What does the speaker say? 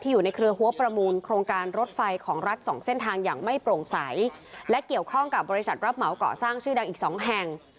อย่างไม่โปร่งใสและเกี่ยวข้องกับบริษัทรัพย์เหมาเกาะสร้างชื่อดังอีก๒แห่ง